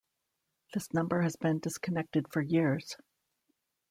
This number has been disconnected for years.